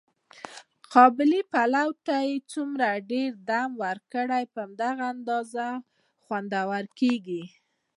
قابلي پلو ته چې څومره دم ډېر ور کړې، په هماغه اندازه خوندور کېږي.